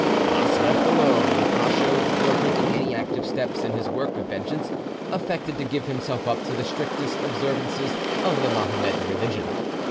Thus left alone, Pacho, before taking any active steps in his work of vengeance, affected to give himself up to the strictest observances of the Mohammedan religion.